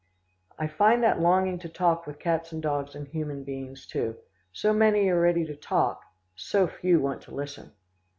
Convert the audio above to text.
I find that longing to talk with cats and dogs and human beings too. So many are ready to talk so few want to listen.